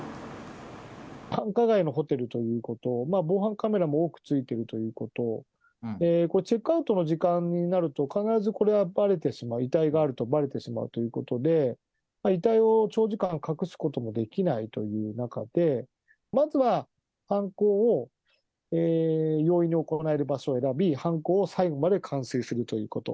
繁華街のホテルということ、防犯カメラも多くついてるということ、これ、チェックアウトの時間になると、必ずこれはばれてしまう、遺体があるとばれてしまうということで、遺体を長時間隠すこともできないという中で、まずは犯行を容易に行える場所を選び、犯行を最後まで完遂するということ。